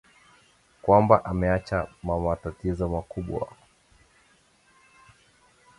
kwamba ameacha ma matatizo makubwa